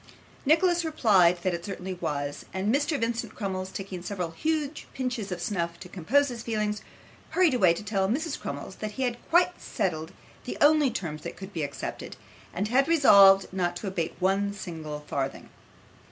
Nicholas replied, that it certainly was; and Mr. Vincent Crummles taking several huge pinches of snuff to compose his feelings, hurried away to tell Mrs. Crummles that he had quite settled the only terms that could be accepted, and had resolved not to abate one single farthing.